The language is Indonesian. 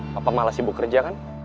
papa malah sibuk kerja kan